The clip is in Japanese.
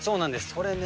それね。